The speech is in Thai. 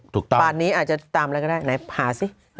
ถูกต้องป่านนี้อาจจะตามอะไรก็ได้ไหนหาสิ